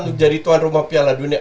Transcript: untuk jadi tuan rumah piala dunia